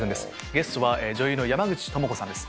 ゲストは女優の山口智子さんです。